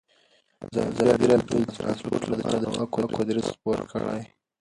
ازادي راډیو د ترانسپورټ لپاره د چارواکو دریځ خپور کړی.